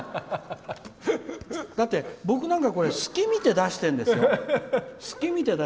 だって、僕なんか隙を見て出してるんですよ。